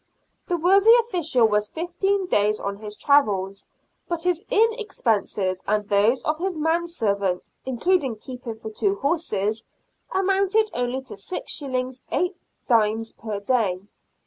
The worthy official was fifteen days on his travels, but his inn expenses and those of his manservant, including keep for two horses, amounted only to 6s. 8d, per day.